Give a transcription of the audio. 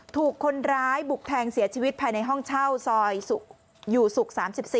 ถูกคนร้ายบุกแทงเสียชีวิตภายในห้องเช่าซอยอยู่ศุกร์๓๔